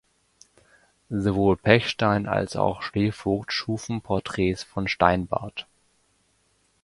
Sowohl Pechstein wie auch Slevogt schufen Porträts von Steinbart.